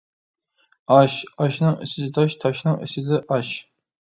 ئاش ئاشنىڭ ئىچىدە تاش تاشنىڭ ئىچىدە ئاش